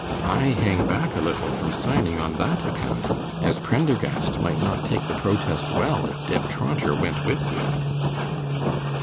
I hang back a little from signing on that account, as Prendergast might not take the protest well if Deb Traunter went with you.